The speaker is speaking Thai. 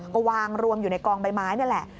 ก็วางรวมอยู่ในกองใบไม้นี่แหละ